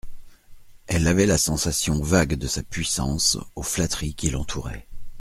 Elle avait la sensation vague de sa puissance, aux flatteries qui l'entouraient.